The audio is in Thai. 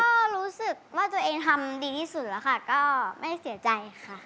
ก็รู้สึกว่าตัวเองทำดีที่สุดแล้วค่ะก็ไม่เสียใจค่ะ